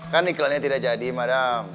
kan iklannya tidak jadi madam